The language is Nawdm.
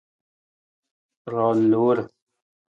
Roon loor.